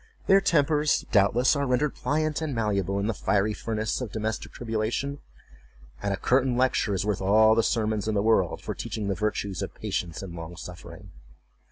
Their tempers, doubtless, are rendered pliant and malleable in the fiery furnace of domestic tribulation; and a curtain lecture is worth all the sermons in the world for teaching the virtues of patience and long suffering.